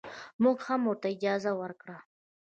موږ هم ورته اجازه ورکړه.